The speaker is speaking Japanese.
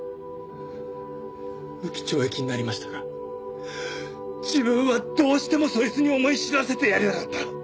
無期懲役になりましたが自分はどうしてもそいつに思い知らせてやりたかった！